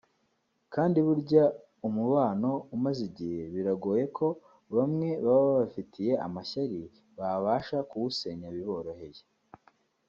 kandi burya umubano umaze igihe biragoye ko bamwe baba babafitiye amashyari babasha kuwusenya biboroheye